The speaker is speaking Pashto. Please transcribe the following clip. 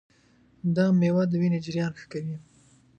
دا مېوه د وینې جریان ښه کوي.